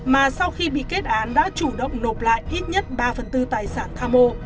mà sau khi bị kết án đã chủ động nộp lại ít nhất ba phần tư tài sản tham mộ